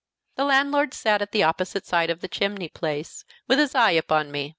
The landlord sat at the opposite side of the chimney place, with his eye upon me.